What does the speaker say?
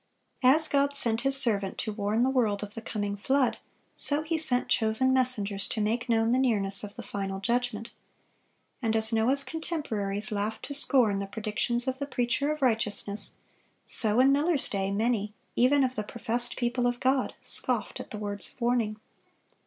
As God sent His servant to warn the world of the coming flood, so He sent chosen messengers to make known the nearness of the final judgment. And as Noah's contemporaries laughed to scorn the predictions of the preacher of righteousness, so in Miller's day many, even of the professed people of God, scoffed at the words of warning.